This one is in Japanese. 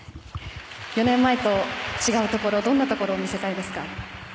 ４年前と違うところどんなところを見せたいですか？